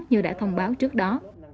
như đã thông báo trước đó